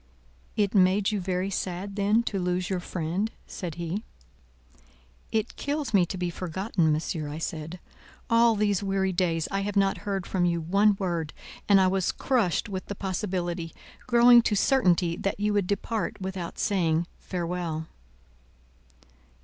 "It made you very sad then to lose your friend?" said he. "It kills me to be forgotten, Monsieur," I said. "All these weary days I have not heard from you one word, and I was crushed with the possibility, growing to certainty, that you would depart without saying farewell!"